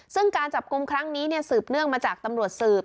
ซึ่งการจับกลุ่มครั้งนี้สืบเนื่องมาจากตำรวจสืบ